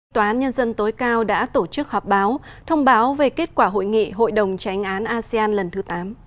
tòa án nhân dân tối cao đã tổ chức họp báo thông báo về kết quả hội nghị hội đồng tránh án asean lần thứ tám